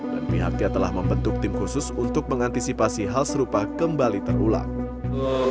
dan pihaknya telah membentuk tim khusus untuk mengantisipasi hal serupa kembali terulang